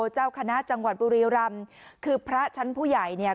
เจ้าคณะจังหวัดบุรีรำคือพระชั้นผู้ใหญ่เนี่ย